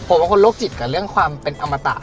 ผมเป็นคนโรคจิตกับเรื่องความเป็นอมตะ